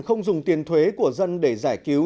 không dùng tiền thuế của dân để giải cứu